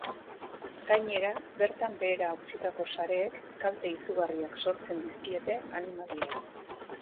Gainera, bertan behera utzitako sareek kalte izugarriak sortzen dizkiete animaliei.